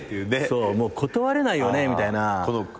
そうもう断れないよねみたいな。